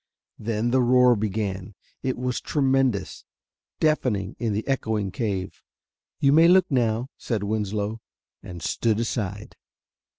Then the roar began. It was tremendous, deafening, in the echoing cave. "You may look now," said Winslow, and stood aside.